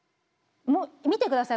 見てください。